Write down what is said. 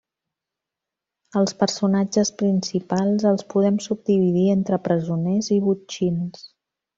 Els personatges principals, els podem subdividir entre presoners i botxins.